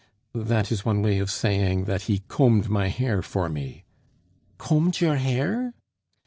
_" "That is one way of saying that he combed my hair for me." "_Combed your hair?